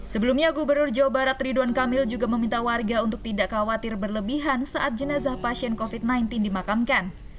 sebelumnya gubernur jawa barat ridwan kamil juga meminta warga untuk tidak khawatir berlebihan saat jenazah pasien covid sembilan belas dimakamkan